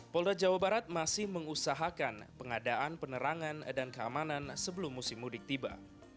polda jawa barat masih mengusahakan pengadaan penerangan dan keamanan sebelum musim mudik tiba